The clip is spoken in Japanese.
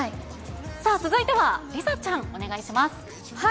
さあ続いては、梨紗ちゃん、お願いします。